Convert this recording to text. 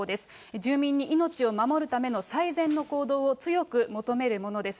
住民に命を守るための最善の行動を強く求めるものです。